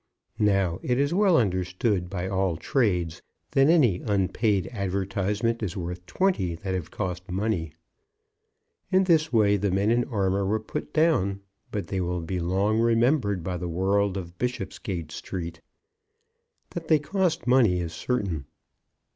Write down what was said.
Now, it is well understood by all trades that any unpaid advertisement is worth twenty that have cost money. In this way the men in armour were put down, but they will be long remembered by the world of Bishopsgate Street. That they cost money is certain.